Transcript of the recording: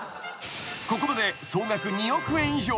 ［ここまで総額２億円以上］